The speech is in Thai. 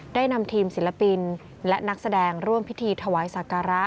ได้นำทีมศิลปินและนักแสดงร่วมพิธีถวายศักระ